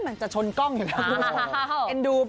อยากจะชนกล้องอยู่นะคุณผู้ชม